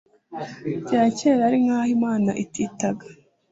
rya kera, ari nk'aho imana ititaga